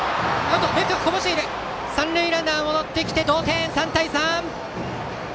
三塁ランナーが戻ってきて同点３対３。